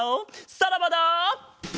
さらばだ！